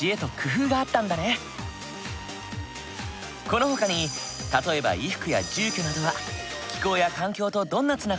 このほかに例えば衣服や住居などは気候や環境とどんなつながりがあるんだろう？